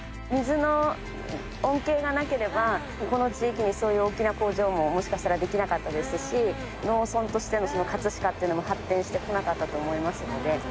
水の恩恵がなければこの地域にそういう大きな工場ももしかしたらできなかったですし農村としての飾ってのも発展してこなかったと思いますので。